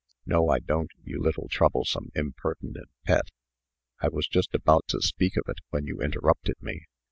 "No, I don't, you little, troublesome, impertinent Pet. I was just about to speak of it, when you interrupted me.